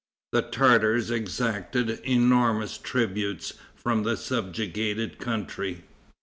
The Tartars exacted enormous tribute from the subjugated country.